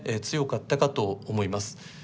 強かったかと思います。